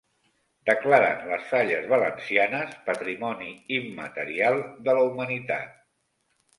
Declaren les Falles valencianes patrimoni immaterial de la Humanitat